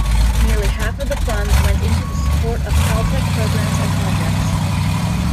Nearly half of the funds went into the support of Caltech programs and projects.